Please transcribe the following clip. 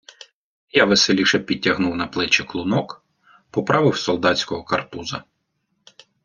Я веселіше підтягнув на плечі клунок, поправив солдатського картуза.